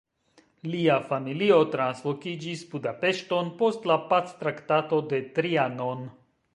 Lia familio translokiĝis Budapeŝton post la Pactraktato de Trianon.